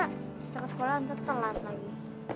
kita ke sekolah nanti telat lagi